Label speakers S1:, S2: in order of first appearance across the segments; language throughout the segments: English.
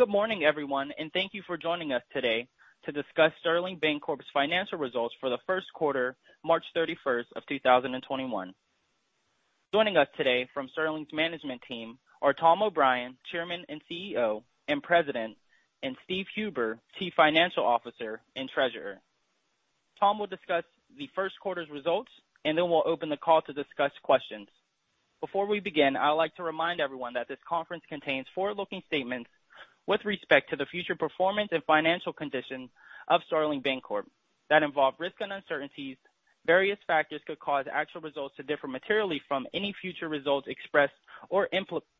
S1: Good morning, everyone, and thank you for joining us today to discuss Sterling Bancorp's financial results for the first quarter, March 31st, 2021. Joining us today from Sterling's management team are Tom O'Brien, Chairman, President and Chief Executive Officer, and Steve Huber, Chief Financial Officer and Treasurer. Tom will discuss the first quarter's results, then we'll open the call to discuss questions. Before we begin, I would like to remind everyone that this conference contains forward-looking statements with respect to the future performance and financial conditions of Sterling Bancorp that involve risks and uncertainties. Various factors could cause actual results to differ materially from any future results expressed or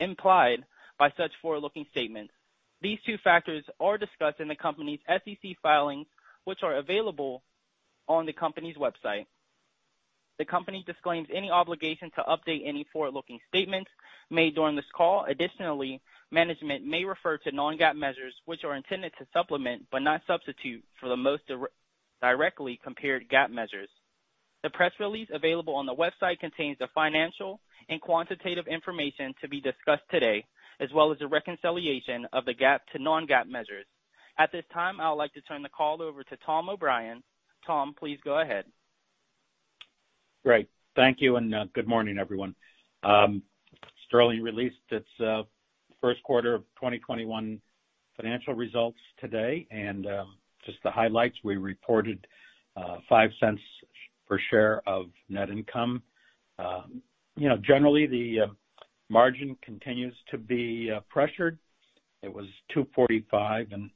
S1: implied by such forward-looking statements. These two factors are discussed in the company's SEC filings, which are available on the company's website. The company disclaims any obligation to update any forward-looking statements made during this call. Additionally, management may refer to non-GAAP measures, which are intended to supplement, but not substitute, for the most directly compared GAAP measures. The press release available on the website contains the financial and quantitative information to be discussed today, as well as a reconciliation of the GAAP to non-GAAP measures. At this time, I would like to turn the call over to Tom O'Brien. Tom, please go ahead.
S2: Great. Thank you, good morning, everyone. Sterling released its first quarter of 2021 financial results today. Just the highlights, we reported $0.05 per share of net income. Generally, the margin continues to be pressured. It was 2.45%, and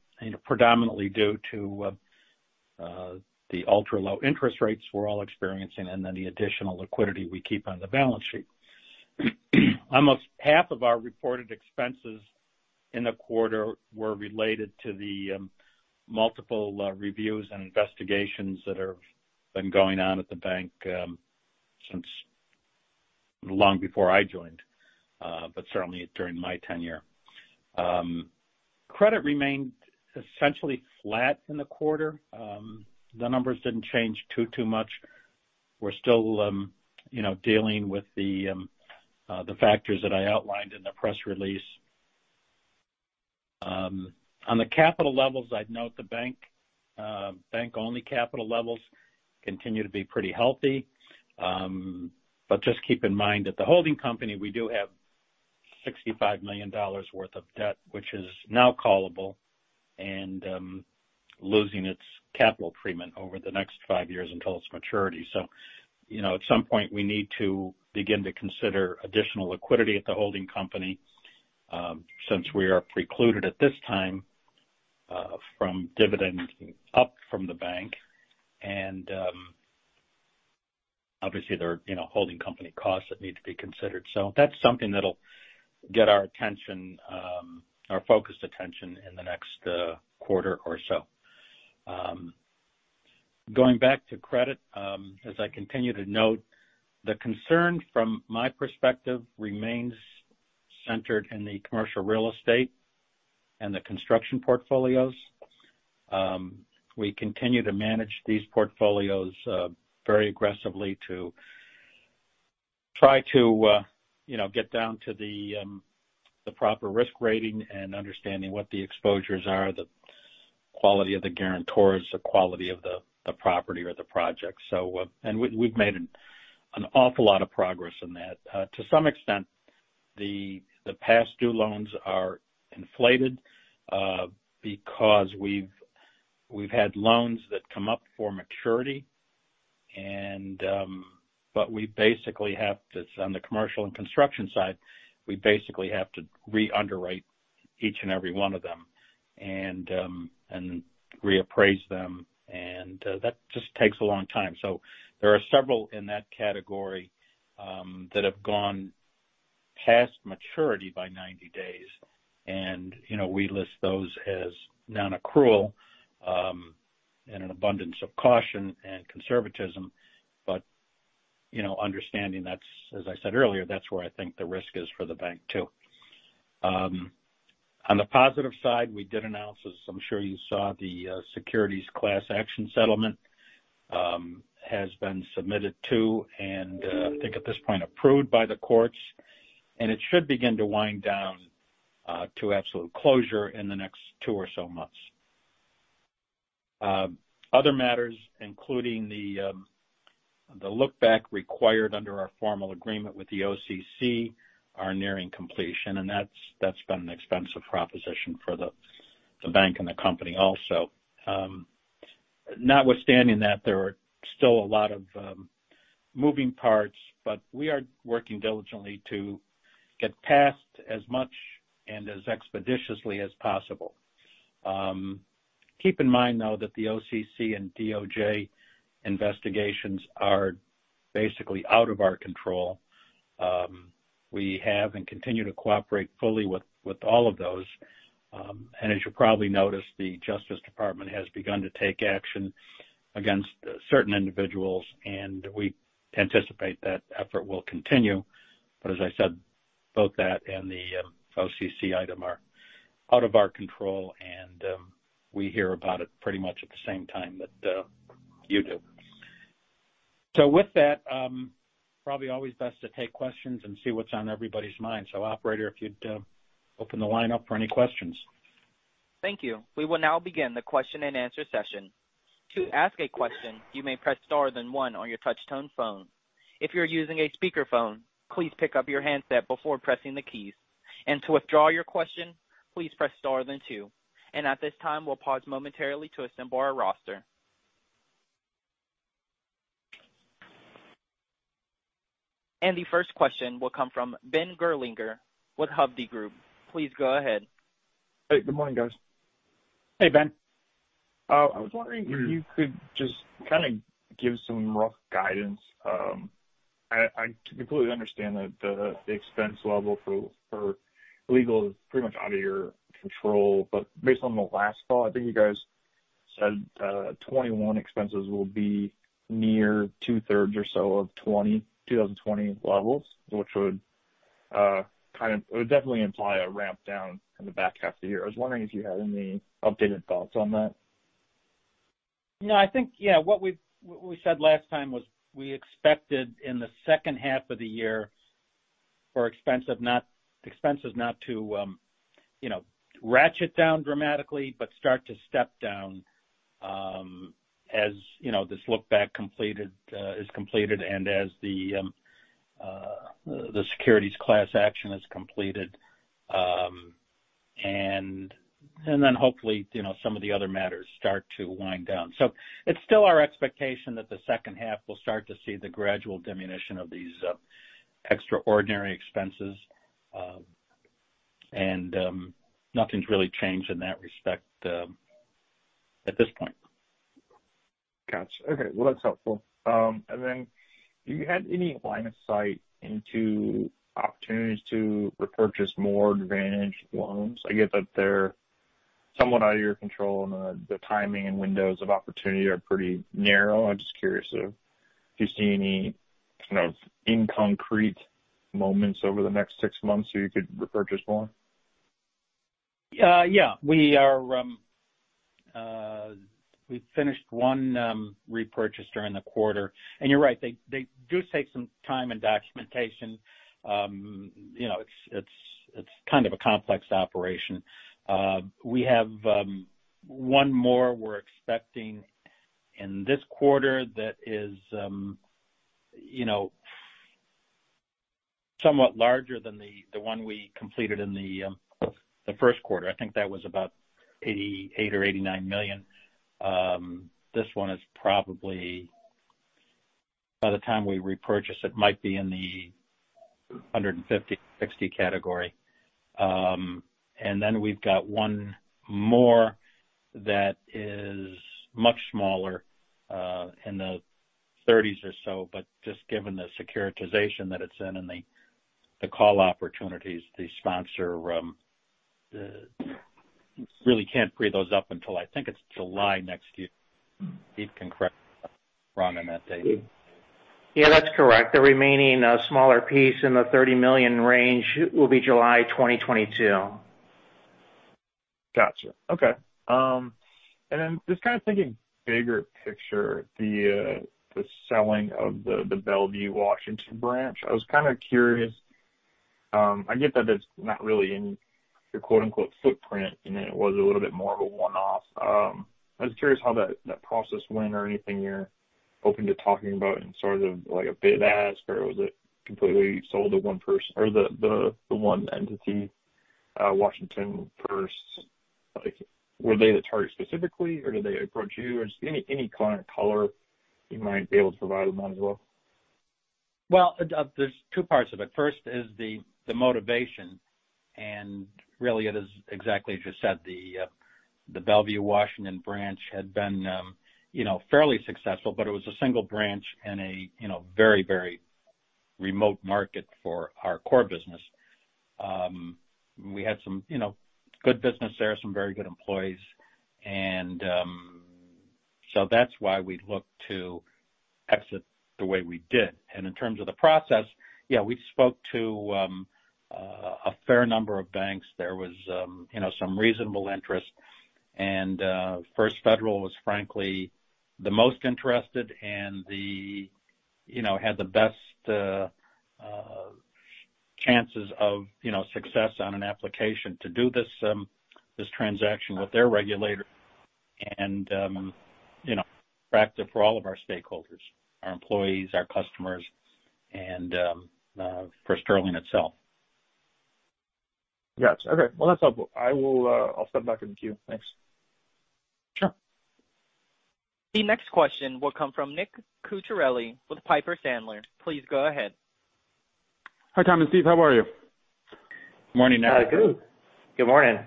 S2: predominantly due to the ultra-low interest rates we're all experiencing and then the additional liquidity we keep on the balance sheet. Almost half of our reported expenses in the quarter were related to the multiple reviews and investigations that have been going on at the bank since long before I joined, but certainly during my tenure. Credit remained essentially flat in the quarter. The numbers didn't change too much. We're still dealing with the factors that I outlined in the press release. On the capital levels, I'd note the bank-only capital levels continue to be pretty healthy. Just keep in mind at the holding company, we do have $65 million worth of debt, which is now callable and losing its capital treatment over the next five years until its maturity. At some point, we need to begin to consider additional liquidity at the holding company since we are precluded at this time from dividend up from the bank. Obviously, there are holding company costs that need to be considered. That's something that'll get our focused attention in the next quarter or so. Going back to credit, as I continue to note, the concern from my perspective remains centered in the commercial real estate and the construction portfolios. We continue to manage these portfolios very aggressively to try to get down to the proper risk rating and understanding what the exposures are, the quality of the guarantors, the quality of the property or the project. We've made an awful lot of progress in that. To some extent, the past due loans are inflated because we've had loans that come up for maturity. On the commercial and construction side, we basically have to re-underwrite each and every one of them and reappraise them, and that just takes a long time. There are several in that category that have gone past maturity by 90 days, and we list those as non-accrual in an abundance of caution and conservatism. Understanding that's, as I said earlier, that's where I think the risk is for the bank, too. On the positive side, we did announce, as I'm sure you saw, the securities class action settlement has been submitted to and, I think at this point, approved by the courts, and it should begin to wind down to absolute closure in the next two or so months. Other matters, including the look back required under our formal agreement with the OCC, are nearing completion, and that's been an expensive proposition for the bank and the company also. Notwithstanding that, there are still a lot of moving parts, but we are working diligently to get past as much and as expeditiously as possible. Keep in mind, though, that the OCC and DOJ investigations are basically out of our control. We have and continue to cooperate fully with all of those. As you probably noticed, the Justice Department has begun to take action against certain individuals, and we anticipate that effort will continue. As I said, both that and the OCC item are out of our control, and we hear about it pretty much at the same time that you do. With that, probably always best to take questions and see what's on everybody's mind. Operator, if you'd open the line up for any questions.
S1: Thank you. We will now begin the question and answer session. To ask a question, you may press star then one on your touch tone phone. If you're using a speakerphone, please pick up your handset before pressing the keys. To withdraw your question, please press star then two. At this time, we'll pause momentarily to assemble our roster. The first question will come from Ben Gerlinger with Hovde Group. Please go ahead.
S3: Hey, good morning, guys.
S2: Hey, Ben.
S3: I was wondering if you could just kind of give some rough guidance. I completely understand that the expense level for legal is pretty much out of your control, but based on the last call, I think you guys said 2021 expenses will be near 2/3 or so of 2020 levels, which would definitely imply a ramp down in the back half of the year. I was wondering if you had any updated thoughts on that.
S2: I think what we said last time was we expected in the second half of the year for expenses not to ratchet down dramatically, but start to step down as this look back is completed and as the securities class action is completed. Hopefully, some of the other matters start to wind down. It's still our expectation that the second half will start to see the gradual diminution of these extraordinary expenses. Nothing's really changed in that respect at this point.
S3: Got you. Okay. Well, that's helpful. Do you have any line of sight into opportunities to repurchase more Advantage loans? I get that they're somewhat out of your control, and the timing and windows of opportunity are pretty narrow. I'm just curious if you see any kind of in-concrete moments over the next six months where you could repurchase more.
S2: Yeah. We finished one repurchase during the quarter. You're right, they do take some time and documentation. It's kind of a complex operation. We have one more we're expecting in this quarter that is somewhat larger than the one we completed in the first quarter. I think that was about $88 million or $89 million. This one is probably, by the time we repurchase, it might be in the $150 million-$160 million category. Then we've got one more that is much smaller, in the $30 million or so, but just given the securitization that it's in and the call opportunities, the sponsor really can't free those up until, I think it's July next year. Steve can correct me if I'm wrong on that date.
S4: Yeah, that's correct. The remaining smaller piece in the $30 million range will be July 2022.
S3: Got you. Okay. Just kind of thinking bigger picture, the selling of the Bellevue Washington branch. I was kind of curious. I get that it's not really in your quote unquote footprint, and it was a little bit more of a one-off. I was curious how that process went or anything you're open to talking about in sort of like a bid-ask, or was it completely sold to one person or the one entity, WashingtonFirst Bank? Were they the target specifically, or did they approach you? Just any kind of color you might be able to provide on that as well?
S2: There's two parts of it. First is the motivation, really it is exactly as you said. The Bellevue, Washington branch had been fairly successful, it was a single branch in a very remote market for our core business. We had some good business there, some very good employees, that's why we looked to exit the way we did. In terms of the process, yeah, we spoke to a fair number of banks. There was some reasonable interest, First Federal was frankly the most interested and had the best chances of success on an application to do this transaction with their regulator and attractive for all of our stakeholders, our employees, our customers, and for Sterling itself.
S3: Got you. Okay. Well, that's helpful. I'll step back in the queue. Thanks.
S2: Sure.
S1: The next question will come from Nick Cucharale with Piper Sandler. Please go ahead.
S5: Hi, Tom and Steve. How are you?
S2: Morning, Nick.
S4: Good. Good morning.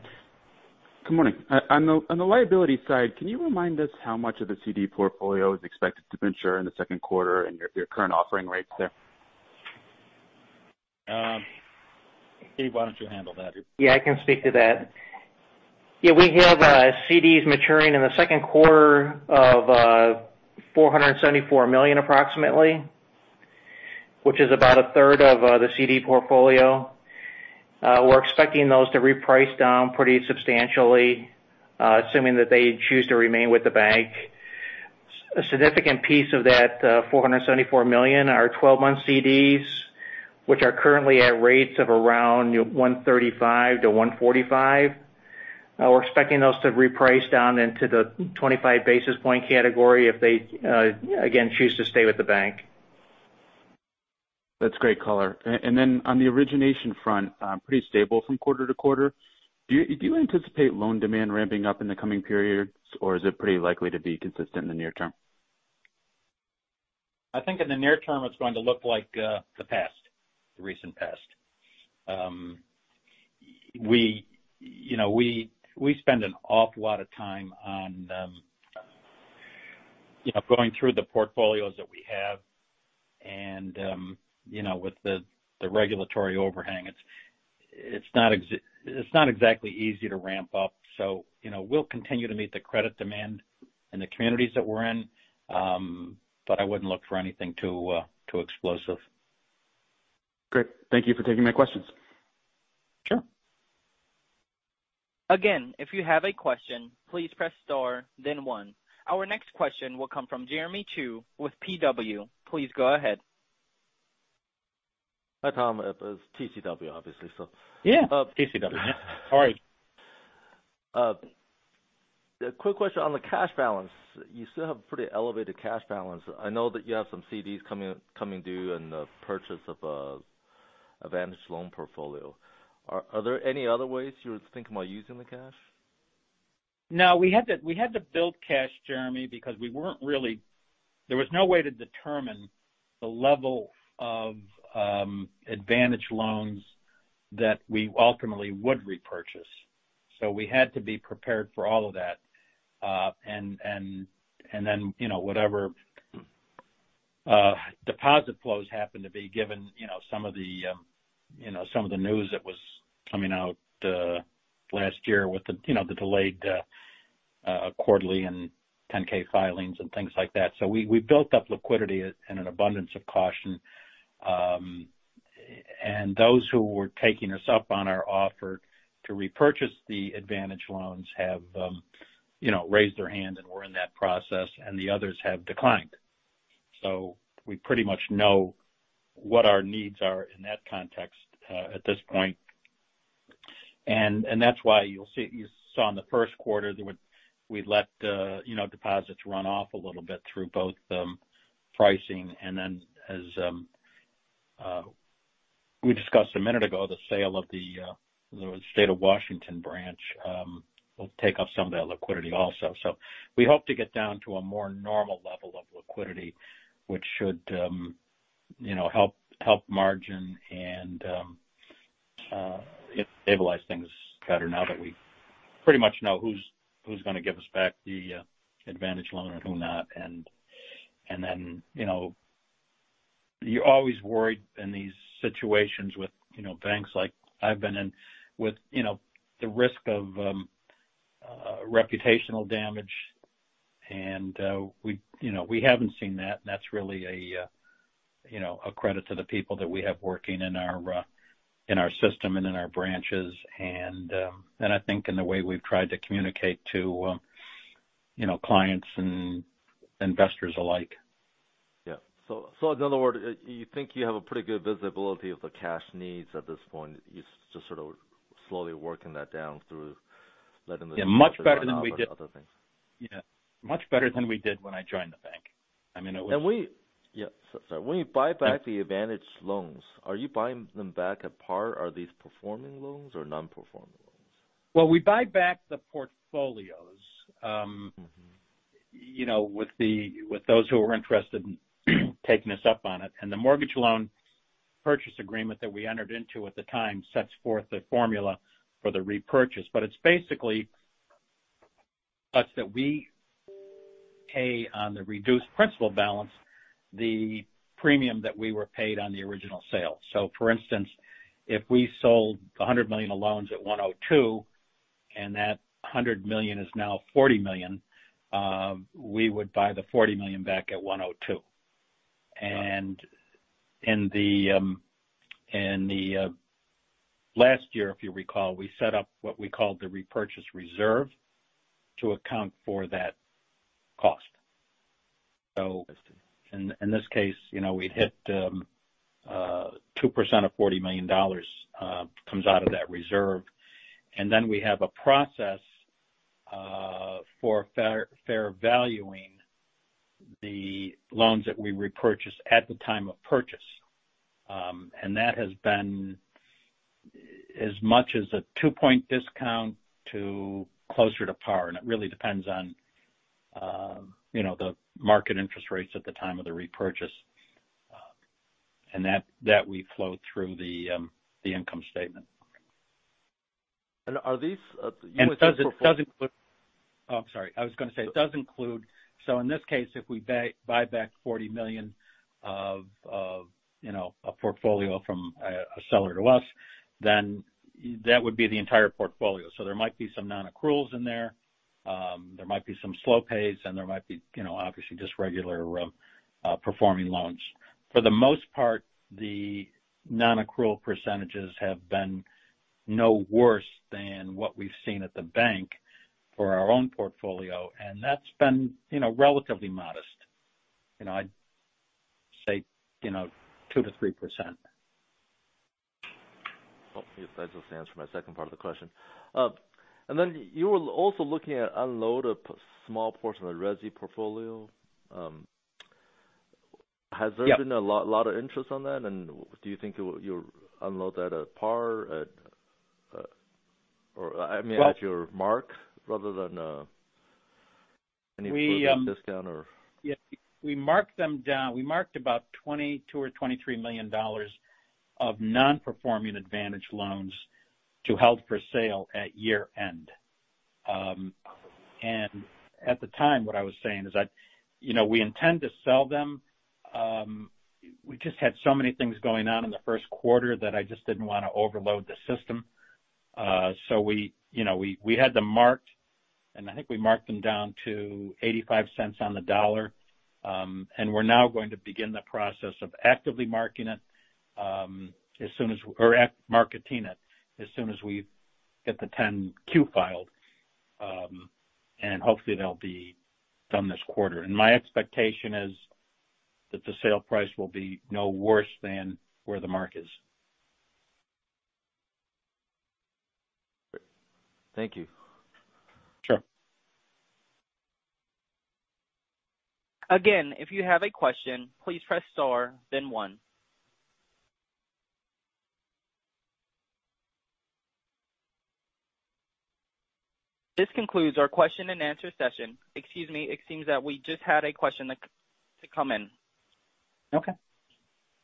S5: Good morning. On the liability side, can you remind us how much of the CD portfolio is expected to mature in the second quarter and your current offering rates there?
S2: Steve, why don't you handle that?
S4: Yeah, I can speak to that. Yeah, we have CDs maturing in the second quarter of $474 million approximately. Which is about a third of the CD portfolio. We're expecting those to reprice down pretty substantially, assuming that they choose to remain with the bank. A significant piece of that $474 million are 12-month CDs, which are currently at rates of around 135 basis points-145 basis points. We're expecting those to reprice down into the 25 basis point category if they, again, choose to stay with the bank.
S5: That's great color. On the origination front, pretty stable from quarter to quarter. Do you anticipate loan demand ramping up in the coming periods, or is it pretty likely to be consistent in the near term?
S2: I think in the near term, it's going to look like the recent past. We spend an awful lot of time on going through the portfolios that we have, and with the regulatory overhang, it's not exactly easy to ramp up. We'll continue to meet the credit demand in the communities that we're in, but I wouldn't look for anything too explosive.
S5: Great. Thank you for taking my questions.
S2: Sure.
S1: Again, if you have a question, please press star then one. Our next question will come from Jeremy Zhu with TCW. Please go ahead.
S6: Hi, Tom. It's TCW, obviously.
S2: Yeah, TCW. All right.
S6: A quick question on the cash balance. You still have pretty elevated cash balance. I know that you have some CDs coming due and the purchase of a Advantage Loan portfolio. Are there any other ways you're thinking about using the cash?
S2: No. We had to build cash, Jeremy, because there was no way to determine the level of Advantage loans that we ultimately would repurchase. We had to be prepared for all of that. Whatever deposit flows happen to be given some of the news that was coming out last year with the delayed quarterly and 10-K filings and things like that. We built up liquidity in an abundance of caution. Those who were taking us up on our offer to repurchase the Advantage loans have raised their hand, and we're in that process, and the others have declined. We pretty much know what our needs are in that context at this point. That's why you saw in the first quarter that we let deposits run off a little bit through both pricing and then, as we discussed a minute ago, the sale of the State of Washington branch will take up some of that liquidity also. We hope to get down to a more normal level of liquidity, which should help margin and stabilize things better now that we pretty much know who's going to give us back the Advantage Loan and who not. You're always worried in these situations with banks like I've been in with the risk of reputational damage, and we haven't seen that. That's really a credit to the people that we have working in our system and in our branches, and I think in the way we've tried to communicate to clients and investors alike.
S6: Yeah. In other words, you think you have a pretty good visibility of the cash needs at this point.
S2: Yeah, much better than we did.
S6: Other things.
S2: Yeah. Much better than we did when I joined the bank.
S6: Yeah. When you buy back the Advantage loans, are you buying them back at par? Are these performing loans or non-performing loans?
S2: Well, we buy back the portfolios with those who are interested in taking us up on it, and the mortgage loan purchase agreement that we entered into at the time sets forth a formula for the repurchase. It's basically such that we pay on the reduced principal balance, the premium that we were paid on the original sale. For instance, if we sold $100 million of loans at $102 million, and that $100 million is now $40 million, we would buy the $40 million back at $102 million.
S6: Got it.
S2: In the last year, if you recall, we set up what we called the repurchase reserve to account for that cost. In this case, we'd hit 2% of $40 million comes out of that reserve. Then we have a process for fair valuing the loans that we repurchase at the time of purchase. That has been as much as a 2-point discount to closer to par, and it really depends on the market interest rates at the time of the repurchase. That we flow through the income statement.
S6: And are these.
S2: It does include Oh, I'm sorry. I was going to say, it does include, in this case, if we buy back $40 million of a portfolio from a seller to us, that would be the entire portfolio. There might be some non-accruals in there. There might be some slow pays and there might be, obviously, just regular performing loans. For the most part, the non-accrual percentages have been no worse than what we've seen at the bank for our own portfolio, and that's been relatively modest. I'd say, 2%-3%.
S6: Oh, I guess that just answers my second part of the question. You were also looking at unload a small portion of the resi portfolio.
S2: Yeah.
S6: Has there been a lot of interest on that? Do you think you'll unload that at par, or I mean at your mark rather than any impairment discount
S2: Yeah. We marked them down. We marked about $22 million or $23 million of non-performing Advantage loans to held for sale at year-end. At the time, what I was saying is that we intend to sell them. We just had so many things going on in the first quarter that I just didn't want to overload the system. We had them marked, and I think we marked them down to $0.85 on the dollar. We're now going to begin the process of actively marketing it as soon as we get the 10Q filed. Hopefully they'll be done this quarter. My expectation is that the sale price will be no worse than where the mark is.
S6: Great. Thank you.
S2: Sure.
S1: Again, if you have a question, please press star, then one. This concludes our question and answer session. Excuse me, it seems that we just had a question to come in.
S2: Okay.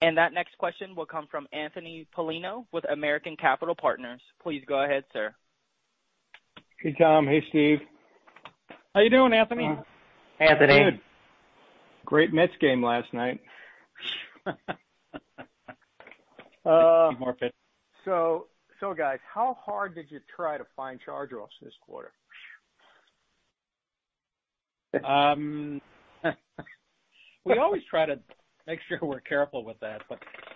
S1: That next question will come from Anthony Polino with American Capital Partners. Please go ahead, sir.
S7: Hey, Tom. Hey, Steve.
S2: How are you doing, Anthony?
S4: Anthony.
S2: Good. Great Mets game last night.
S4: More fit.
S7: Guys, how hard did you try to find charge-offs this quarter?
S2: We always try to make sure we're careful with that,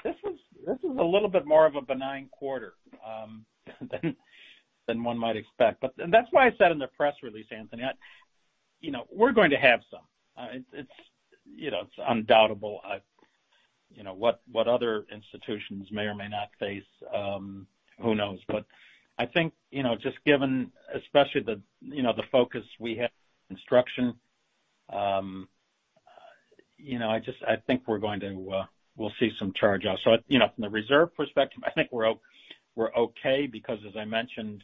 S2: this was a little bit more of a benign quarter than one might expect. That's why I said in the press release, Anthony, we're going to have some. It's undoubtable. What other institutions may or may not face, who knows? I think, just given especially the focus we have on construction, I think we'll see some charge-offs. From the reserve perspective, I think we're okay because as I mentioned,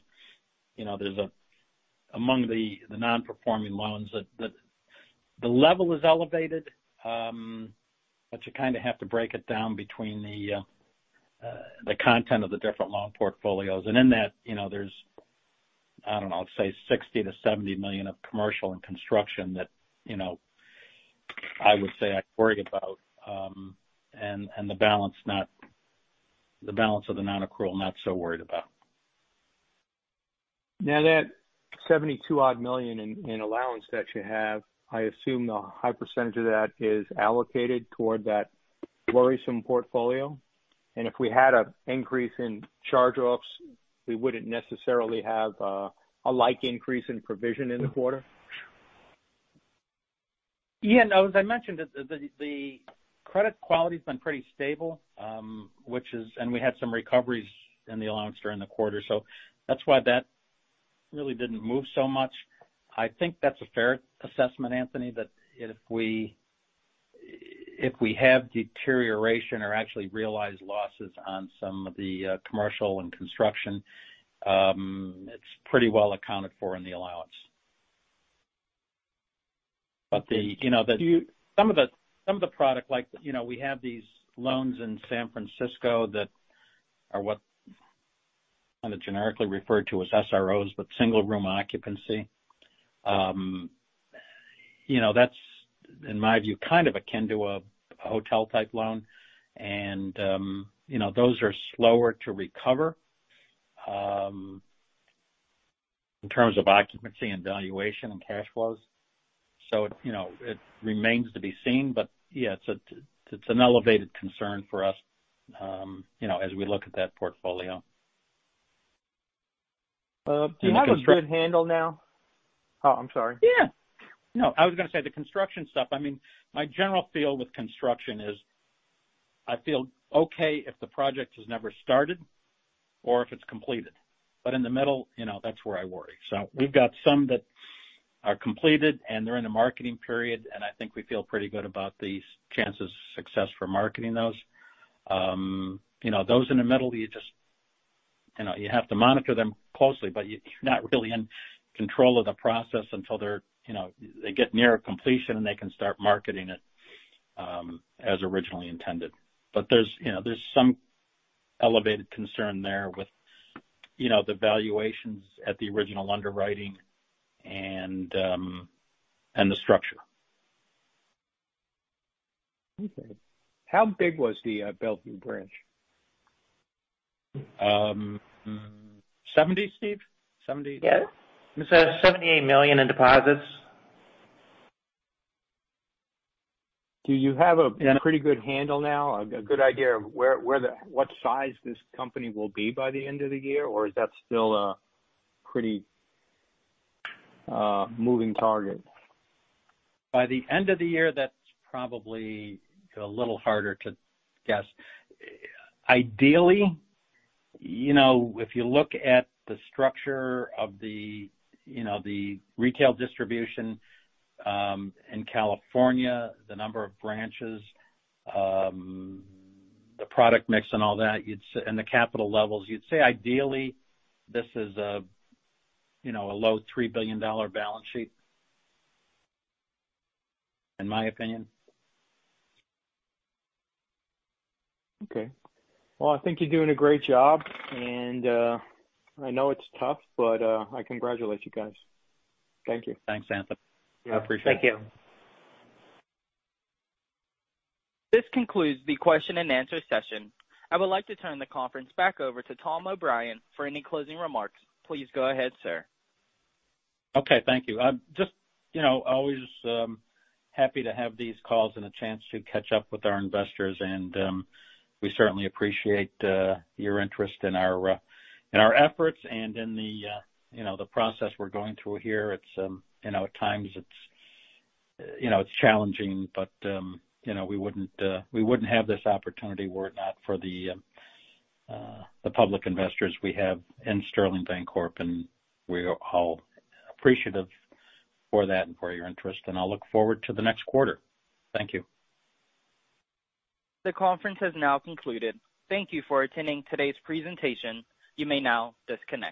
S2: among the non-performing loans, the level is elevated, but you kind of have to break it down between the content of the different loan portfolios. In that, there's, I don't know, I'd say $60 million-$70 million of commercial and construction that, I would say I worry about, and the balance of the non-accrual, not so worried about.
S7: That $72 odd million in allowance that you have, I assume a high percentage of that is allocated toward that worrisome portfolio? If we had an increase in charge-offs, we wouldn't necessarily have a like increase in provision in the quarter?
S2: Yeah, no, as I mentioned, the credit quality's been pretty stable, and we had some recoveries in the allowance during the quarter, that's why that really didn't move so much. I think that's a fair assessment, Anthony, that if we have deterioration or actually realize losses on some of the commercial and construction, it's pretty well accounted for in the allowance. Some of the product like, we have these loans in San Francisco that are what kind of generically referred to as SROs, but single room occupancy. That's, in my view, kind of akin to a hotel type loan. Those are slower to recover in terms of occupancy and valuation and cash flows. It remains to be seen, yeah, it's an elevated concern for us as we look at that portfolio.
S7: Do you have a good handle now? Oh, I'm sorry.
S2: Yeah. No, I was going to say, the construction stuff, my general feel with construction is I feel okay if the project has never started or if it's completed. In the middle, that's where I worry. We've got some that are completed, and they're in a marketing period, and I think we feel pretty good about the chances of success for marketing those. Those in the middle, you have to monitor them closely, but you're not really in control of the process until they get near completion, and they can start marketing it as originally intended. There's some elevated concern there with the valuations at the original underwriting and the structure.
S7: Okay. How big was the Bellevue branch?
S2: $70 million, Steve?
S4: Yes. It says $78 million in deposits.
S7: Do you have a pretty good handle now, a good idea of what size this company will be by the end of the year, or is that still a pretty moving target?
S2: By the end of the year, that's probably a little harder to guess. Ideally, if you look at the structure of the retail distribution in California, the number of branches, the product mix and all that, and the capital levels, you'd say ideally, this is a low $3 billion balance sheet. In my opinion.
S7: Okay. Well, I think you're doing a great job, and I know it's tough, but I congratulate you guys. Thank you.
S2: Thanks, Anthony. I appreciate it.
S4: Thank you.
S1: This concludes the question and answer session. I would like to turn the conference back over to Tom O'Brien for any closing remarks. Please go ahead, sir.
S2: Okay, thank you. I'm just always happy to have these calls and a chance to catch up with our investors, and we certainly appreciate your interest in our efforts and in the process we're going through here. At times it's challenging, but we wouldn't have this opportunity were it not for the public investors we have in Sterling Bancorp, and we're all appreciative for that and for your interest. I look forward to the next quarter. Thank you.
S1: The conference has now concluded. Thank you for attending today's presentation. You may now disconnect.